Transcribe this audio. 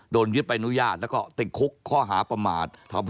โดนยึดไปนุญาตแล้วก็ติดคลุกข้อหาประหมาตร